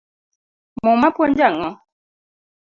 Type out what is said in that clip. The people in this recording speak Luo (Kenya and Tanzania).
Muma puonjo ango?